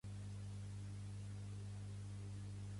Remeni els troncs del foc tot pensant en tu.